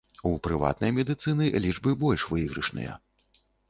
У прыватнай медыцыны лічбы больш выйгрышныя.